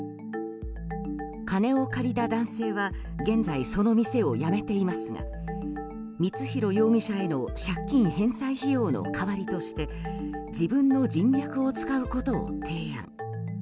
金を借りた男性は現在、その店を辞めていますが光弘容疑者への借金返済費用の代わりとして自分の人脈を使うことを提案。